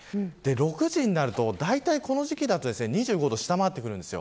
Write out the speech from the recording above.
６時になるとたいていこの時期だと２５度を下回ってくるんです。